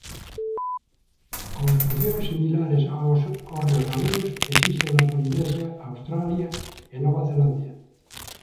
Construcións similares aos hórreos galegos existen na Polinesia, Australia e Nova Zelandia.